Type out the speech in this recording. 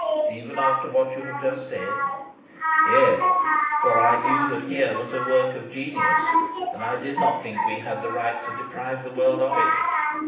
"Even after what you have just said?" "Yes; for I knew that here was a work of genius, and I did not think we had the right to deprive the world of it.